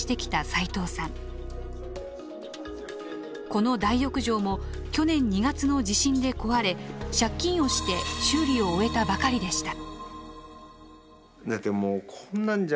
この大浴場も去年２月の地震で壊れ借金をして修理を終えたばかりでした。